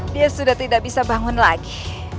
dia sudah tidak bisa bangun lagi